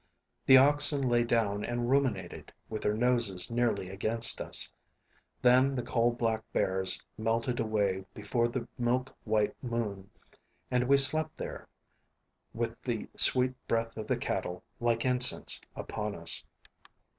The oxen lay down and ruminated, with their noses nearly against us. Then the coal black bears melted away before the milk white moon, and we slept there, with the sweet breath of the cattle, like incense, upon us.